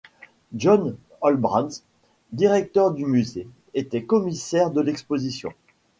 John Olbrantz, Directeur du Musée, était commissaire de l'exposition.